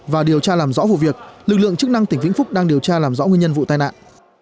và điều tra làm rõ vụ việc lực lượng chức năng tỉnh vĩnh phúc đang điều tra làm rõ nguyên nhân vụ tai nạn